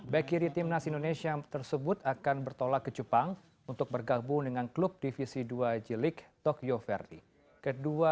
back kiri timnas indonesia tersebut akan bertolak ke jepang untuk bergabung dengan klub divisi dua jilik tokyo verde